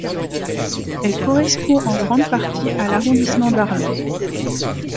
Elle correspond en grande partie à l’arrondissement d'Arlon.